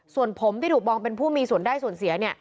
ส่วนผมที่ถูกมองเป็นผู้มีส่วนได้ส่วนเสีย